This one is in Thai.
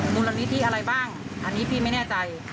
มูลนิธิอะไรบ้างอันนี้พี่ไม่แน่ใจ